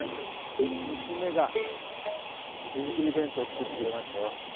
娘が手作り弁当作ってくれましたよ。